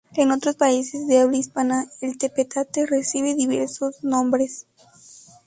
En otros países de habla hispana, el tepetate recibe diversos nombres.